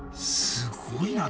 すごいな。